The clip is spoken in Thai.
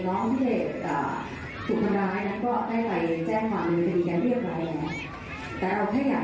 แล้วที่สำคัญก็คือว่า